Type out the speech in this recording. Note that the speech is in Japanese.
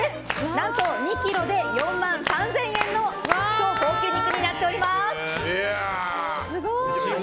何と２ｋｇで４万３０００円の超高級肉になっております。